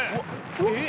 「えっ？